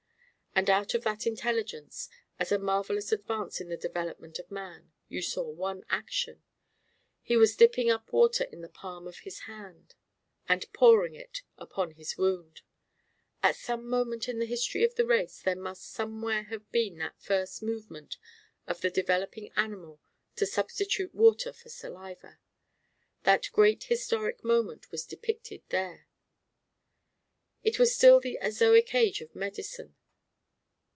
And out of that intelligence, as a marvellous advance in the development of man, you saw one action: he was dipping up water in the palm of his hand and pouring it upon his wound. At some moment in the history of the race there must somewhere have been that first movement of the developing animal to substitute water for saliva. That great historic moment was depicted there. It was still the Azoic Age of Medicine.